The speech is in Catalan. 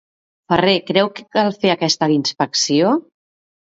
Ferrer creu cal fer aquesta inspecció?